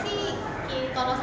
sebenarnya kita nggak jualan apa apa